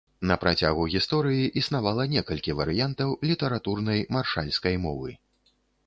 На працягу гісторыі існавала некалькі варыянтаў літаратурнай маршальскай мовы.